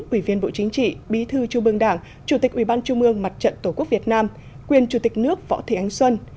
ủy viên bộ chính trị bí thư trung ương đảng chủ tịch ủy ban trung mương mặt trận tổ quốc việt nam quyền chủ tịch nước võ thị ánh xuân